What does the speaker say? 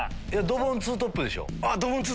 ドボンツートップでしょ。